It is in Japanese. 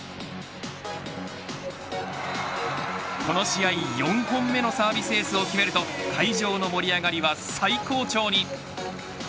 この試合４本目のサービスエースを決めると会場の盛り上がりは最高潮に。